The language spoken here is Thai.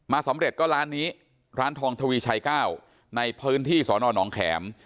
สำเร็จก็ร้านนี้ร้านทองทวีชัย๙ในพื้นที่สอนอนองแข็ม